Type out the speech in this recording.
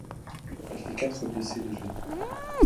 Elle fait quatre blessés légers.